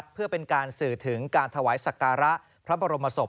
เพื่อเป็นการสื่อถึงการถวายศักระพระบรมศพ